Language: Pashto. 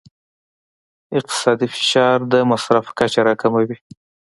اقتصادي فشار د مصرف کچه راکموي.